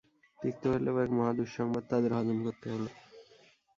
তিক্ত হলেও এক মহা দুঃসংবাদ তাদের হজম করতে হলো।